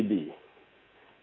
ketiga adalah subsidi